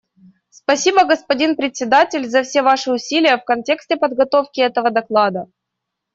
Спасибо, господин Председатель, за все Ваши усилия в контексте подготовки этого доклада.